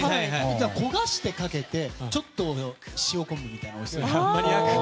焦がして、かけてちょっと塩昆布みたいな。